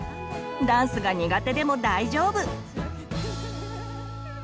ダンスが苦手でも大丈夫！